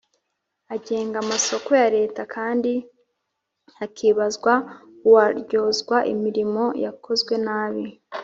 agenga amasoko ya Leta kandi hakibazwa uwaryozwa imirimo yakozwe nabi.